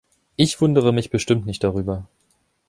Ich wundere mich bestimmt nicht darüber!